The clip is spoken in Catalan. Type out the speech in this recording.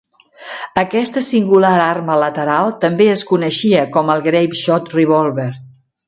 Aquesta singular arma lateral també es coneixia com el Grape Shot Revolver.